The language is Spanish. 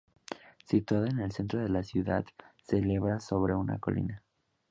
Situada en el centro de la ciudad, se eleva sobre una colina.